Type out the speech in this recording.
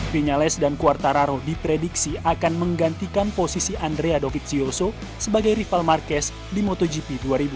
vinyales dan quartararo diprediksi akan menggantikan posisi andrea david sioso sebagai rival marquez di motogp dua ribu dua puluh